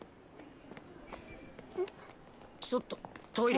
ちょっとトイレ。